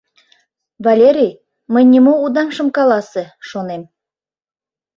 Валерий, мый нимо удам шым каласе, шонем.